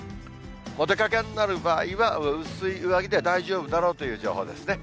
お出かけになる場合は、薄い上着で大丈夫だろうという情報ですね。